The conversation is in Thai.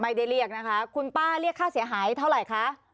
เรียกนะคะคุณป้าเรียกค่าเสียหายเท่าไหร่คะ